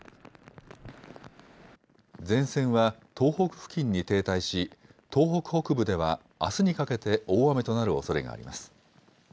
前線は東北付近に停滞し東北北部ではあすにかけて大雨となるおそれがあります。